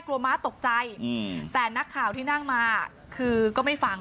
ม้าตกใจแต่นักข่าวที่นั่งมาคือก็ไม่ฟัง